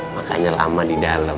makanya lama di dalam